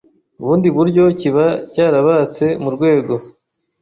bundi buryo kiba cyarabatse mu rwego